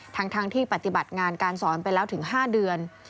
ทั้งที่ปฏิบัติงานการสอนไปแล้วถึง๕เดือน